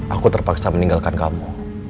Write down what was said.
aku terpaksa meninggalkan kamu